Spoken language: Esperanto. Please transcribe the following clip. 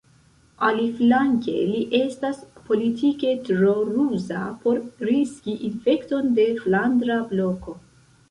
Aliflanke, li estas politike tro ruza por riski infekton de Flandra Bloko.